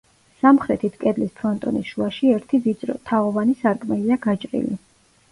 სამხრეთით კედლის ფრონტონის შუაში ერთი ვიწრო, თაღოვანი სარკმელია გაჭრილი.